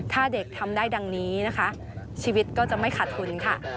ถ้าเด็กทำได้ดังนี้นะคะชีวิตก็จะไม่ขาดทุนค่ะ